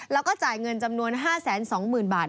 แล้วก็จ่ายเงินจำนวน๕๒๐๐๐บาท